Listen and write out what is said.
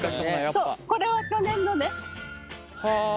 そうこれは去年のね。